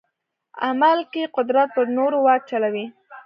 عمل کې قدرت پر نورو واک چلوي.